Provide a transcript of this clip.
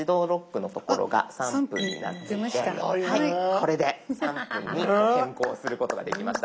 これで３分に変更することができました。